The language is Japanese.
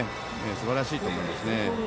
すばらしいと思います。